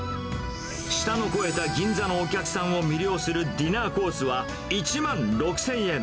舌の肥えた銀座のお客さんを魅了するディナーコースは１万６０００円。